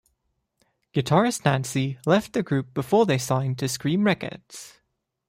Guitarist Nancy left the group before they signed to Scream Records.